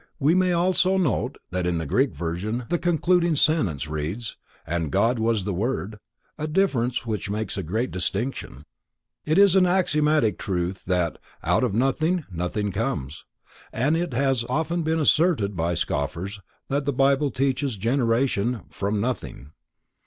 We may also note that in the Greek version the concluding sentence reads: "and God was the Word," a difference which makes a great distinction. It is an axiomatic truth that "out of nothing, nothing comes," and it has often been asserted by scoffers that the Bible teaches generation "from nothing."